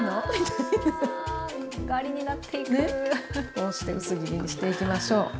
こうして薄切りにしていきましょう。